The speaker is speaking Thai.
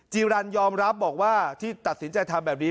รันยอมรับบอกว่าที่ตัดสินใจทำแบบนี้